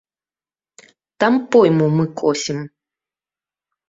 Там пойму мы косім.